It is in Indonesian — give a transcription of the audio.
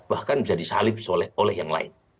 bahkan bisa disalib oleh yang lain